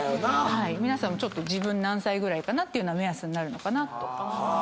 皆さんちょっと自分何歳ぐらいかなっていうのは目安になるのかなと。